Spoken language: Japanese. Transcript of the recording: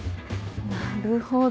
なるほど。